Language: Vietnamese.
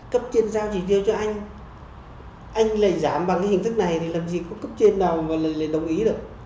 cấp trên giao chỉ tiêu cho anh anh lệnh giảm bằng hình thức này thì làm gì có cấp trên nào đồng ý được